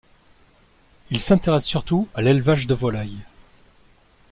Il s'intéresse surtout à l'élevage de volaille.